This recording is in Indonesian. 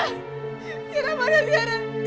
tiara mana tiara